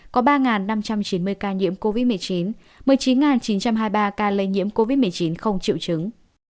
có ba năm trăm chín mươi ca nhiễm covid một mươi chín một mươi chín chín trăm hai mươi ba ca lây nhiễm covid một mươi chín không triệu chứng